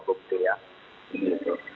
kita sudah dikirikai